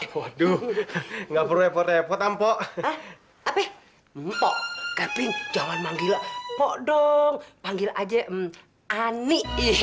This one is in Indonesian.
waduh enggak perlu repot repot ampok apa mpok kevin jangan manggil pok dong panggil aja ani